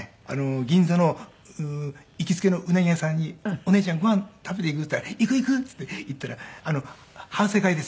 銀座の行きつけの鰻屋さんに「お姉ちゃんご飯食べていく？」って言ったら「行く行く」っていって行ったら反省会ですよ反省会。